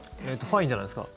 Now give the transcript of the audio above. ファインじゃないですか？